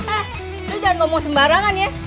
eh lu jangan ngomong sembarangan ya